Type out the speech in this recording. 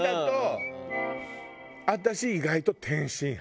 私意外と天津飯。